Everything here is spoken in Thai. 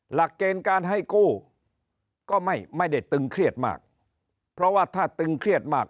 หลักเกณฑ์การให้กู้ก็ไม่ไม่ได้ตึงเครียดมากเพราะว่าถ้าตึงเครียดมาก